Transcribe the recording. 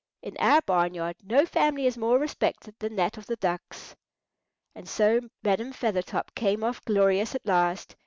"In our barn yard no family is more respected than that of the ducks." And so Madam Feathertop came off glorious at last.